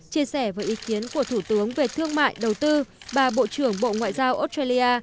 chia sẻ với ý kiến của thủ tướng về thương mại đầu tư và bộ trưởng bộ ngoại giao australia